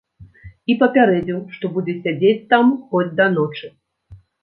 І папярэдзіў, што будзе сядзець там хоць да ночы.